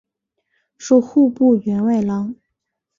授户部员外郎。